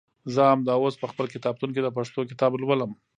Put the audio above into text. زه همدا اوس په خپل کتابتون کې د پښتو کتاب لولم.